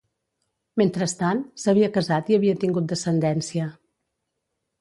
Mentrestant, s'havia casat i havia tingut descendència.